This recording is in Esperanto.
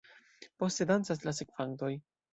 Poste dancas la sekvantoj.